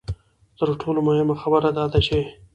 تر ټولو مهمه خبره دا ده چې.